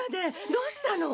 どうしたの？